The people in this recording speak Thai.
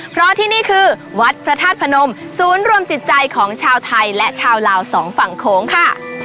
เพราะที่นี่คือวัดพระธาตุพนมศูนย์รวมจิตใจของชาวไทยและชาวลาวสองฝั่งโขงค่ะ